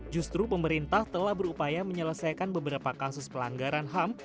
justru pemerintah telah berupaya menyelesaikan beberapa kasus pelanggaran ham